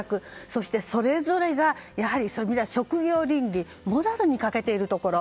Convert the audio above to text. そして、それぞれがやはり職業倫理モラルにかけているところ。